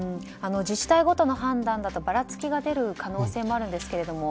自治体ごとの判断だとばらつきが出る可能性もあるんですが。